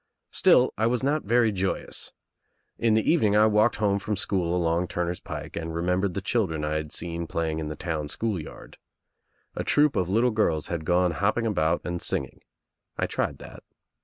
Still I was not very joyous. In the evening I walked home from school along Turner's Pike and remem bered the children I had seen playing in the town school yard. A troop of little girls had gone hopping about and singing. I tried that.